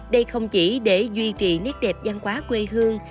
đây không chỉ để duy trì nét đẹp văn hóa quê hương